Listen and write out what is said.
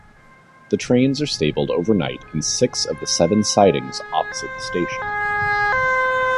The trains are stabled overnight in six of the seven sidings opposite the station.